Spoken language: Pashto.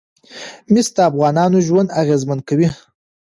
مس د افغانانو ژوند اغېزمن کوي.